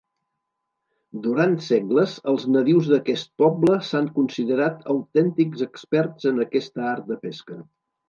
Durant segles, els nadius d'aquest poble s'han considerat autèntics experts en aquesta art de pesca.